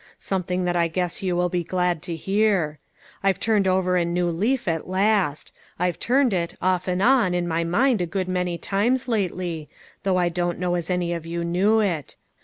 Something that I guess you will be glad to hear. I've turned over a new leaf at last. I've turned it, off and on, in my mind a good many times lately, though I don't know as any of you knew it.